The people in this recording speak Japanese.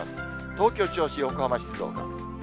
東京、銚子、横浜、静岡。